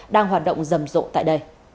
đang hoạt động dần dần